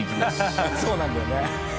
ハハハそうなんだよね。